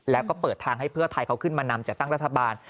แล้วก็เปิดทางให้เพื่อไทยเขาขึ้นมานำจัดตั้งรัฐบาล